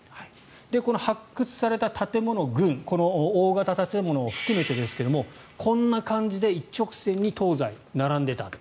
この発掘された建物群この大型建物を含めてですがこんな感じで一直線に東西、並んでいたと。